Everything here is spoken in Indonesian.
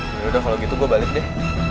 yaudah kalau gitu gue balik deh